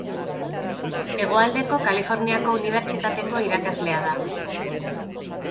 Hegoaldeko Kaliforniako Unibertsitateko irakaslea da.